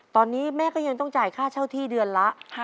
ตอนนี้แม่ก็ยังต้องจ่ายค่าเช่าที่เดือนละ